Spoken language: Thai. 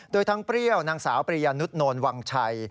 โดยทั้งเปรี้ยวสาวเปรี้ยวนุทนนท์วั่งชัย